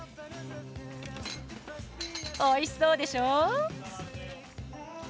おいしそうでしょう。